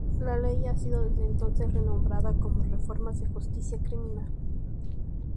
La ley ha sido desde entonces renombrada como "reformas de justicia criminal".